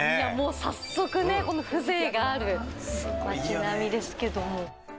早速、風情がある町並みですけれども。